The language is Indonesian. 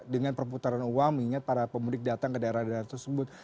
dengan perputaran uang mengingat para pemudik datang ke daerah daerah tersebut